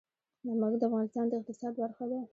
نمک د افغانستان د اقتصاد برخه ده.